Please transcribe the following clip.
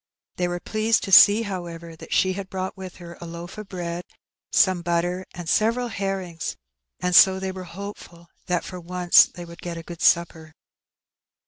They were pleased to see, However, that she had aght with her a loaf of bread, some butter, and several herrings, and so they were hopeful that for once they lid get a good supper.